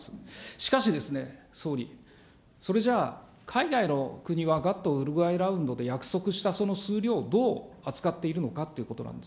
しかしですね、総理、それじゃあ海外の国はガットウルグアイラウンドで約束したその数量をどう扱っているのかということなんです。